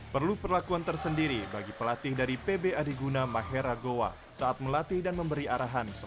perlu perlakuan tersendiri bagi pelatih dari pb adiguna mahera goa saat melatih dan memberi arahan